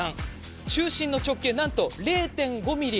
中心の直径、なんと０．５ｍｍ。